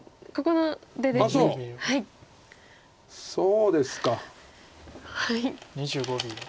そうですか。